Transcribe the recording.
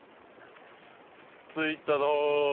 着いたぞ！